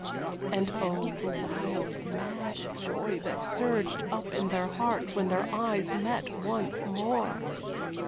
And oh, the wild, mad joy that surged up in their hearts when their eyes met once more!